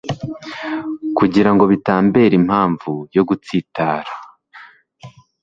kugira ngo bitambera impamvu yo gutsitara